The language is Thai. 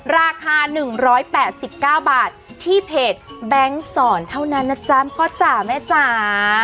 ราคา๑๘๙บาทที่เพจแบงค์สอนเท่านั้นนะจ๊ะพ่อจ๋าแม่จ๋า